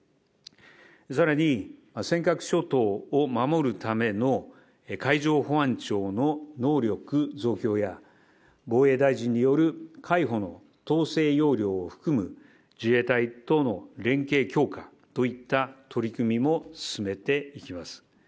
さらに、尖閣諸島を守るための海上保安庁の能力増強や、防衛大臣による海保の統制要領を含む自衛隊との連携強化といった取り組みも進めていきます。